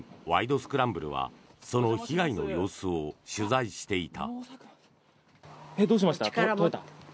スクランブル」はその被害の様子を取材していた。